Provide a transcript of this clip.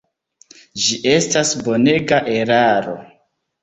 Ĝi estas bonega eraro.